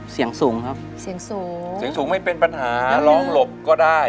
เสียงสูงครับเสียงสูงเสียงสูงไม่เป็นปัญหาร้องหลบก็ได้